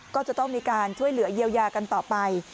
ก็จะต้องมีการช่วยเหลือเยียวยากันต่อไป